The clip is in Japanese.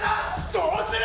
どうする？